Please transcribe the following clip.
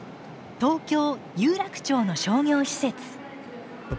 東京・有楽町の商業施設。